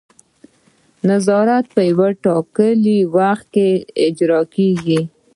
نظارت په یو ټاکلي وخت کې اجرا کیږي.